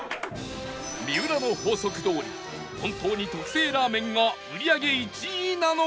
三浦の法則どおり本当に特製らーめんが売り上げ１位なのか？